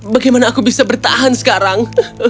bagaimana aku bisa bertahan sekarang